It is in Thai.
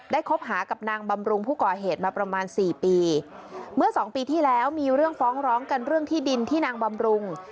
คบหากับนางบำรุงผู้ก่อเหตุมาประมาณสี่ปีเมื่อสองปีที่แล้วมีเรื่องฟ้องร้องกันเรื่องที่ดินที่นางบำรุง